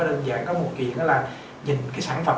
đơn giản có một kỳ đó là nhìn cái sản phẩm